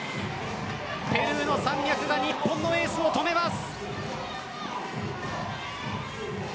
ペルーの山脈が日本のエースを止めます。